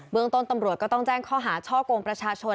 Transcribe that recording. เมืองต้นตำรวจก็ต้องแจ้งข้อหาช่อกงประชาชน